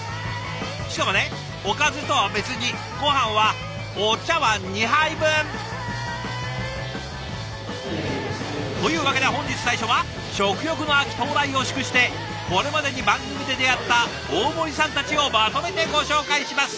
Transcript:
しかもねおかずとは別にごはんはお茶わん２杯分！というわけで本日最初は食欲の秋到来を祝してこれまでに番組で出会った大盛りさんたちをまとめてご紹介します。